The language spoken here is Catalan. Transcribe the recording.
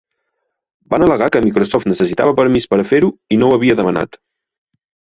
Van al·legar que Microsoft necessitava permís per a fer-ho i no ho havia demanat.